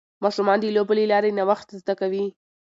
ماشومان د لوبو له لارې نوښت زده کوي.